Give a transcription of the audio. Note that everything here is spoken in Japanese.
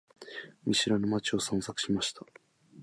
見知らぬ街を散策しました。